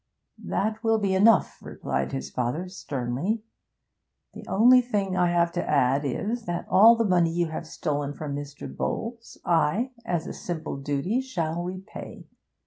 'That will be enough,' replied his father sternly. 'The only thing I have to add is, that all the money you have stolen from Mr. Bowles I, as a simple duty, shall repay.